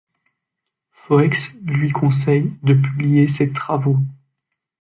Foex lui conseille de publier ces travaux.